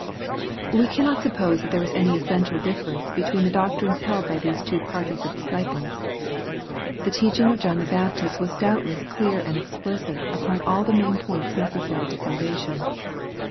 We cannot suppose that there was any essential dif ference between the doctrines held by these two parties of disciples. The teaching of John the Baptist was doubt less clear and explicit upon all the main points necessary to salvation.